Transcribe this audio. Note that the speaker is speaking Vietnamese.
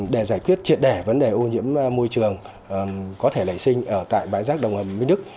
để giải quyết triệt đề vấn đề ô nhiễm môi trường có thể lấy sinh ở tại bãi rác đồng hà nguyên đức